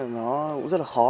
nó cũng rất là khó